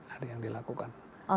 ada yang dilakukan